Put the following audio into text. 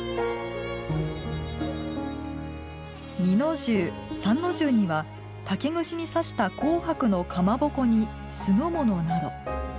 ２の重、３の重には竹串に刺した紅白のかまぼこに酢の物など。